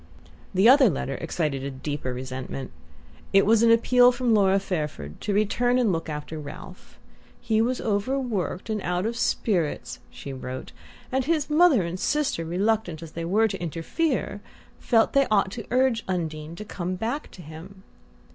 The other letter excited a deeper resentment. It was an appeal from Laura Fairford to return and look after Ralph. He was overworked and out of spirits, she wrote, and his mother and sister, reluctant as they were to interfere, felt they ought to urge Undine to come back to him.